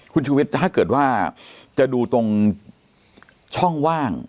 คุณชูวิทย์ถ้าเกิดว่าจะดูตรงช่องว่าง